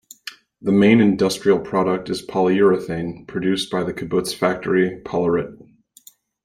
The main industrial product is polyurethane, produced by the kibbutz factory, Polyrit.